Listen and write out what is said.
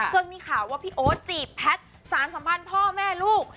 จนมีข่าวว่าพี่โอ๊ตจีบแพทย์สารสัมพันธ์พ่อแม่ลูก